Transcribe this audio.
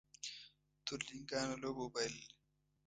تورلېنګانو لوبه وبایلله